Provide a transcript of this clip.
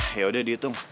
ya udah dihitung